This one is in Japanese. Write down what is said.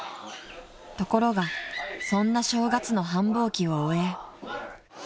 ［ところがそんな正月の繁忙期を終え］